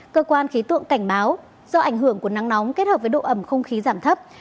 cơ quan khí tượng cảnh báo do ảnh hưởng của nắng nóng kết hợp với độ ẩm không khí giảm thấp